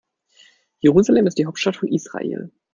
Jerusalem ist die Hauptstadt von Israel.